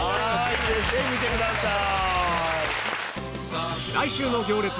ぜひ見てください。